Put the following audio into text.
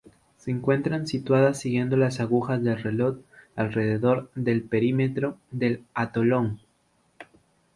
Se encuentran situadas siguiendo las agujas del reloj alrededor del perímetro del atolón.